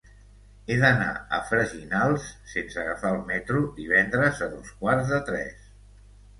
He d'anar a Freginals sense agafar el metro divendres a dos quarts de tres.